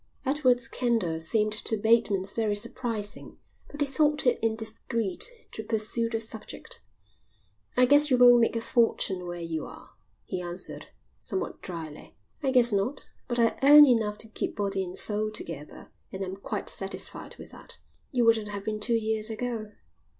Edward's candour seemed to Bateman very surprising, but he thought it indiscreet to pursue the subject. "I guess you won't make a fortune where you are," he answered, somewhat dryly. "I guess not. But I earn enough to keep body and soul together, and I'm quite satisfied with that." "You wouldn't have been two years ago."